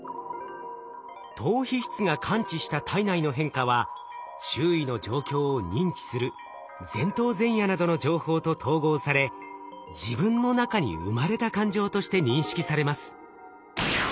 島皮質が感知した体内の変化は周囲の状況を認知する前頭前野などの情報と統合され自分の中に生まれた感情として認識されます。